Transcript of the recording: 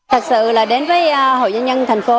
thật sự là đến với hội doanh nhân thành phố